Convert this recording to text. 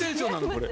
これ。